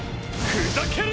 ふざけるな！